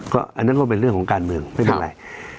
อันนั้นก็เป็นเรื่องของการเมืองไม่เป็นไร